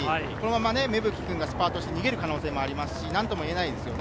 芽吹君がスパートして逃げる可能性もあるので何とも言えないですね。